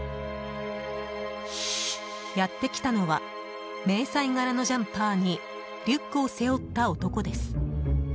やってきたのは迷彩柄のジャンパーにリュックを背負った男です。